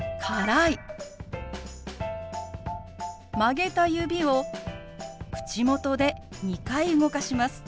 曲げた指を口元で２回動かします。